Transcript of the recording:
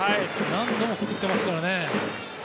何度も救ってますからね。